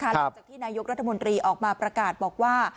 หลังจากที่นายกรัฐมนตรีออกมาประกาศบอกว่า